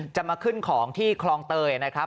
จะมาขึ้นของที่คลองเตยนะครับ